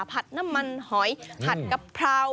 ผัดน้ำมันหอยผัดกะเพรา